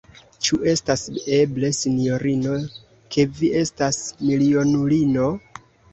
Ĉu estas eble, sinjorino, ke vi estas milionulino?